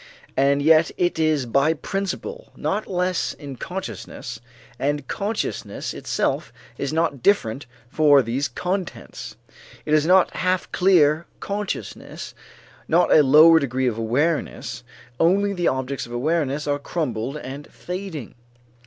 And yet it is by principle not less in consciousness, and consciousness itself is not different for these contents. It is not half clear consciousness, not a lower degree of awareness, only the objects of awareness are crumbled and fading.